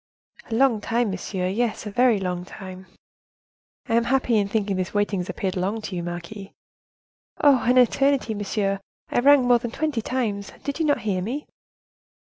"A long time, monsieur; yes, a very long time!" "I am happy in thinking this waiting has appeared long to you, marquise!" "Oh! an eternity, monsieur; oh! I rang more than twenty times. Did you not hear me?"